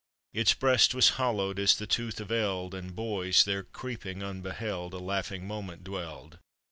Its breast was hollowed as the tooth of eld; And boys, there creeping unbeheld, A laughing moment dwelled.